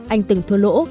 anh từng thua lỗ và